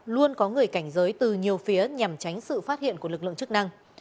luôn có người cảnh giới từ nhiều phía nhằm tránh sự phát hiện của lực lượng chức năng